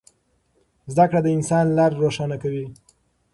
زده کړه د انسان لاره روښانه کوي.